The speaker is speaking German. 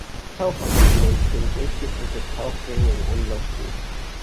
Taucher dokumentieren durchgeführte Tauchgänge in einem Logbuch.